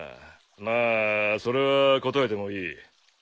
まあそれは答えてもいい。